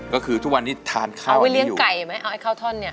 ก็คือทุกวันนี้ทานข้าวเอาไว้เลี้ยงไก่ไหมเอาไอ้ข้าวท่อนเนี่ย